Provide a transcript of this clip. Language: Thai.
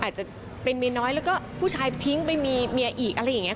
อาจจะเป็นเมียน้อยแล้วก็ผู้ชายทิ้งไปมีเมียอีกอะไรอย่างนี้